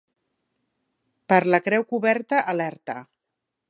Per la Creu Coberta, alerta.